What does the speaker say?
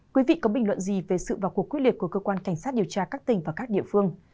quý vị có bình luận gì về sự vào cuộc quyết liệt của cơ quan cảnh sát điều tra các tỉnh và các địa phương